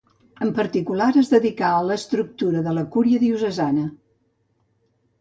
En particular, es dedicà a l'estructura de la cúria diocesana.